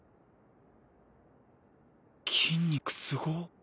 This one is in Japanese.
筋肉すごっ。